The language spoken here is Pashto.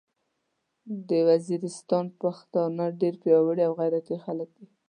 د ویزیریستان پختانه ډیر پیاوړي او غیرتي خلک دې